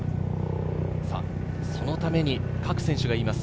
そのために各選手がいいます。